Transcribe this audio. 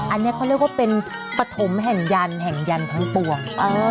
อันนี้เขาเรียกว่าเป็นปฐมแห่งยันแห่งยันทั้งปวง